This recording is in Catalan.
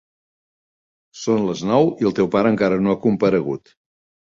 Són les nou i el teu pare encara no ha comparegut.